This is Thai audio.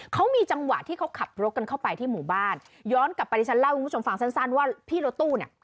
เขามีจังหวะที่เขาขับรถกันเข้าไปที่หมู่บ้านย้อนกลับไปที่ฉันเล่าให้คุณผู้ชมฟังสั้นสั้นว่าพี่รถตู้เนี่ย